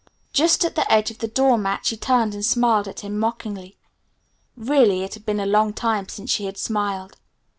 Just at the edge of the door mat she turned and smiled at him mockingly. Really it had been a long time since she had smiled.